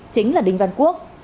chính là đinh văn quốc